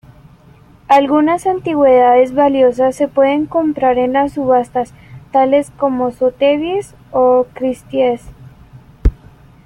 Algunas antigüedades valiosas se pueden comprar en las subastas, tales como Sotheby's o Christie's.